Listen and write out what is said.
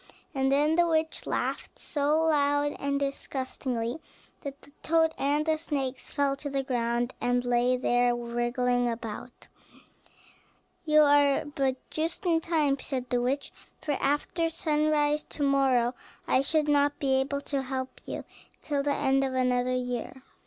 And then the witch laughed so loud and disgustingly, that the toad and the snakes fell to the ground, and lay there wriggling about. "You are but just in time," said the witch; "for after sunrise to morrow I should not be able to help you till the end of another year.